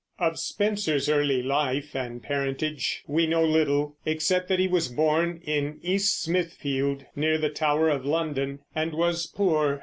Of Spenser's early life and parentage we know little, except that he was born in East Smithfield, near the Tower of London, and was poor.